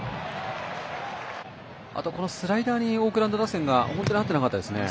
あとスライダーにオークランド打線が合っていなかったですね。